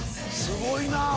すごいな！